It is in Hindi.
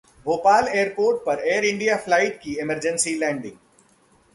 भोपाल एयरपोर्ट पर एयर इंडिया फ्लाइट की इमरजेंसी लैंडिंग